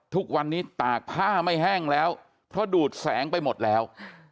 ทุกวันนี้ตากผ้าไม่แห้งแล้วเพราะดูดแสงไปหมดแล้ว